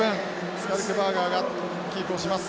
スカルクバーガーがキープをします。